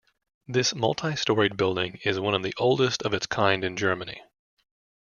This multi-storied building is one of the oldest of its kind in Germany.